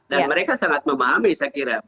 dan mereka sangat memahami saya kira